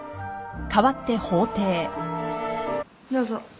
どうぞ。